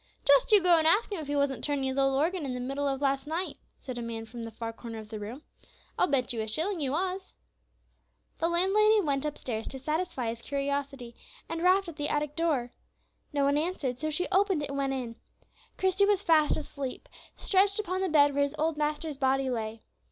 "Just you go and ask him if he wasn't turning his old organ in the middle of last night," said a man from the far corner of the room. "I'll bet you a shilling he was." The landlady went upstairs to satisfy his curiosity, and rapped at the attic door. No one answered, so she opened it and went in. Christie was fast asleep, stretched upon the bed where his old master's body lay.